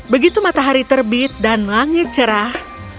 begitu matahari terbit dan langit cerah